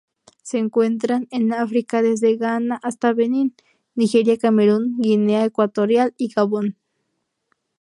Se encuentran en África: desde Ghana hasta Benín, Nigeria, Camerún, Guinea Ecuatorial y Gabón.